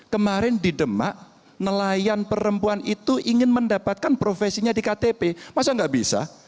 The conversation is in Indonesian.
kemarin di demak nelayan perempuan itu ingin mendapatkan profesinya di ktp masa nggak bisa